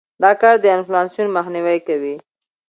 دا کار د انفلاسیون مخنیوى کوي.